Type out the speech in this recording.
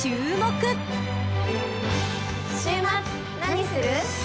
週末何する？